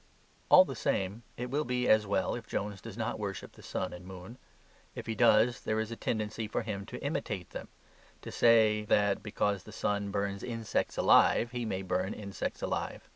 All the same, it will be as well if Jones does not worship the sun and moon. If he does, there is a tendency for him to imitate them; to say, that because the sun burns insects alive, he may burn insects alive.